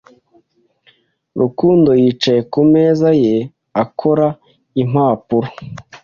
Rukundo yicaye ku meza ye akora impapuro.